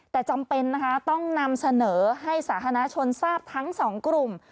แต่จำเป็นนะคะต้องนำเสนอให้สาธารณชนทราบทั้งสองกลุ่ม